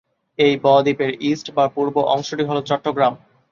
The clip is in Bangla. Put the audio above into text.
এই বদ্বীপের ইস্ট বা পূর্ব অংশটি হলো চট্টগ্রাম।